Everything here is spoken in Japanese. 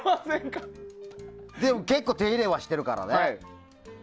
結構、手入れはしてるからね。